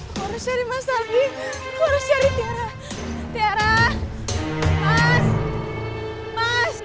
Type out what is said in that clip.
aku harus cari mas ardi aku harus cari tiara tiara mas mas